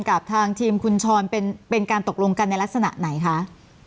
กับทางทีมคุณชรเป็นการตกลงกันในลักษณะไหนคะ